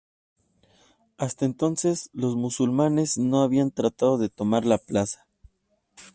Hasta entonces, los musulmanes no habían tratado de tomar la plaza.